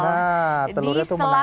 nah telurnya tuh menempel